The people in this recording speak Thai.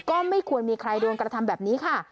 ก็ไม่ควรมีใครโดนกระทำแบบนี้ค่ะ